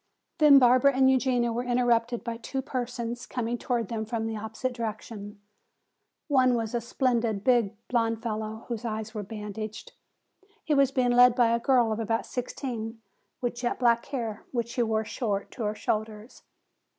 Then Barbara and Eugenia were interrupted by two persons coming toward them from the opposite direction. One was a splendid, big blond fellow whose eyes were bandaged. He was being led by a girl of about sixteen with jet black hair which she wore short to her shoulders.